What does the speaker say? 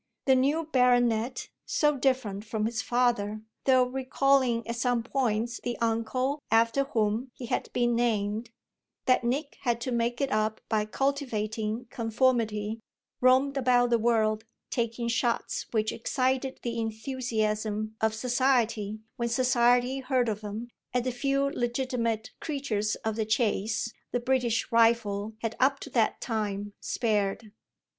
The new baronet, so different from his father though recalling at some points the uncle after whom he had been named that Nick had to make it up by cultivating conformity, roamed about the world, taking shots which excited the enthusiasm of society, when society heard of them, at the few legitimate creatures of the chase the British rifle had up to that time spared.